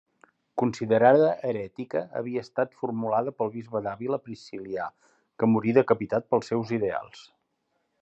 Considerada herètica, havia estat formulada pel bisbe d'Àvila Priscil·lià, que morí decapitat pels seus ideals.